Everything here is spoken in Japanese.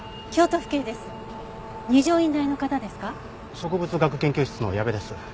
植物学研究室の矢部です。